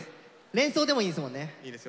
連想でもいいんですもんね。